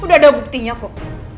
udah ada buktinya kok